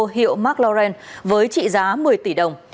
hiệu mclaren với trị giá một mươi tỷ đồng